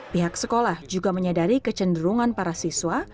pihak sekolah juga menyadari kecenderungan para siswa